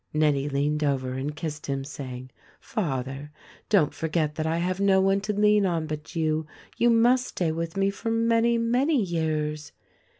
Nettie leaned over and kissed him, saying, "Father, don't forget that I have no one to lean on but you — you must stay with me for many, many years."